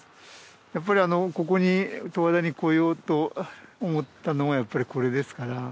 やっぱりここに十和田に来ようと思ったのはやっぱりこれですから。